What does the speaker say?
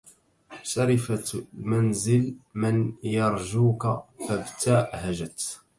شرفت منزل من يرجوك فابتهجت